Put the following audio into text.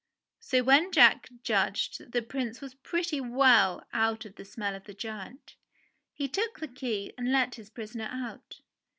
So when Jack judged that the Prince was pretty well out of the smell of the giant, he took the key and let his prisoner out.